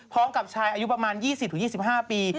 พร้อมกับชายอายุประมาณ๒๐๒๕ปี